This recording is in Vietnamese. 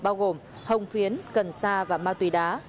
bao gồm hồng phiến cần sa và ma túy đá